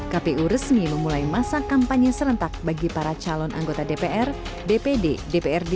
kpu resmi memulai masa kampanye serentak bagi para calon anggota dpr dpd dprd